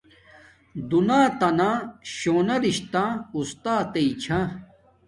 دونیاتانا شونا رشتہ اُستاتݵ چھا